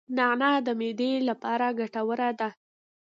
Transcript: نعناع د معدې لپاره ګټوره ده